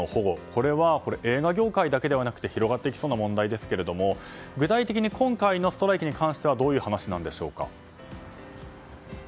これは映画業界だけでなく広がっていきそうな問題ですが具体的に今回のストライキに関してはどういう話なんでしょうか。